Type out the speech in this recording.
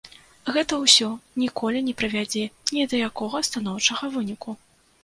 Гэта ўсё ніколі не прывядзе ні да якога станоўчага выніку.